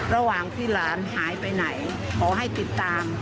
ระหว่างที่หลานหายไปไหนขอให้ติดตาม